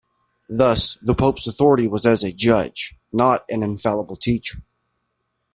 Thus, the pope's authority was as a judge, not an infallible teacher.